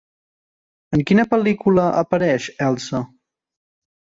En quina pel·lícula apareix Elsa?